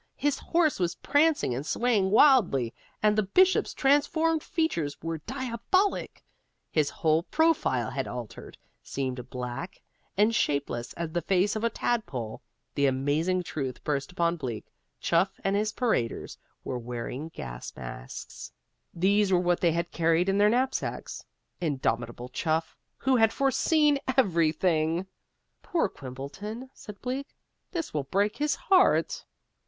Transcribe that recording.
His horse was prancing and swaying wildly, and the Bishop's transformed features were diabolic. His whole profile had altered, seemed black and shapeless as the face of a tadpole. The amazing truth burst upon Bleak. Chuff and his paraders were wearing gas masks. These were what they had carried in their knapsacks. Indomitable Chuff, who had foreseen everything! "Poor Quimbleton," said Bleak. "This will break his heart!"